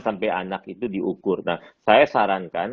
sampai anak itu diukur nah saya sarankan